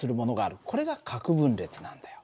これが核分裂なんだよ。